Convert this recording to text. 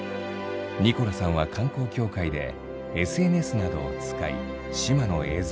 ニコラさんは観光協会でＳＮＳなどを使い志摩の映像を発信。